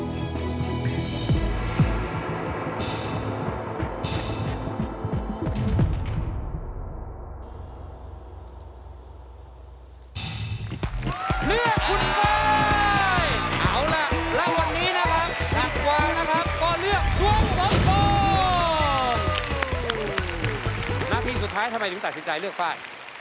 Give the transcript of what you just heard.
หน้าที่สุดท้ายทำไมดูนึงให้ตัดสินใจเลือกไฟล์